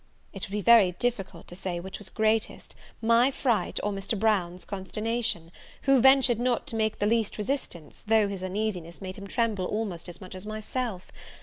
It would be very difficult to say which was greatest, my fright, or Mr. Brown's consternation; who ventured not to make the least resistance, though his uneasiness made him tremble almost as much as myself.